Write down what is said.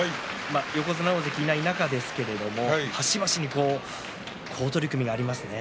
横綱、大関がいない中ですが端々に好取組がありますね。